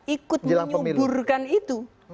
ikut menyuburkan itu